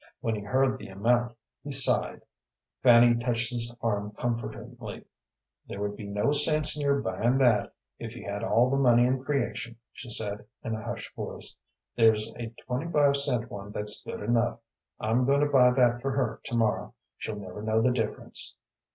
When he heard the amount he sighed. Fanny touched his arm comfortingly. "There would be no sense in your buying that, if you had all the money in creation," she said, in a hushed voice. "There's a twenty five cent one that's good enough. I'm going to buy that for her to morrow. She'll never know the difference."